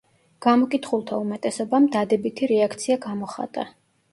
გამოკითხულთა უმეტესობამ, დადებითი რეაქცია გამოხატა.